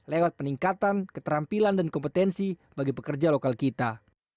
lewat peningkatan keterampilan dan kompetensi bagi pekerja lokal kita